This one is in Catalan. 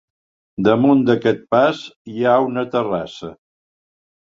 Damunt d'aquest pas hi ha una terrassa.